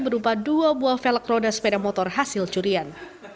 berupa dua buah vel roda sepeda motor hasil curian